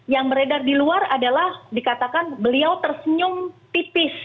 yang beredar di luar adalah dikatakan beliau tersenyum tipis